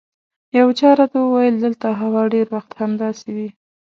یو چا راته وویل دلته هوا ډېر وخت همداسې وي.